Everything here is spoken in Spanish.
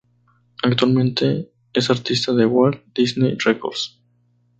Actualmente es artista de Walt Disney Records.